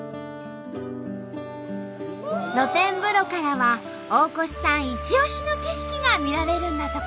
露天風呂からは大越さんいち押しの景色が見られるんだとか。